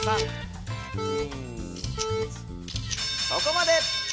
そこまで！